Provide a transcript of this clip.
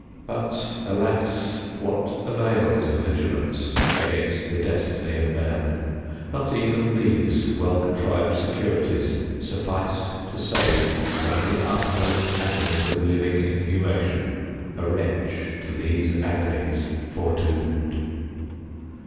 But, alas? what avails the vigilance against the Destiny of man? Not even these well contrived securities sufficed to save from the uttermost agonies of living inhumation, a wretch to these agonies foredoomed!